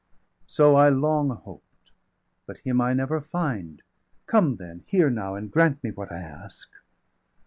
So I long hoped, but him I never find. Come then, hear now, and grant me what I ask.